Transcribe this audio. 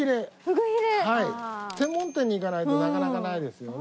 専門店に行かないとなかなかないですよね。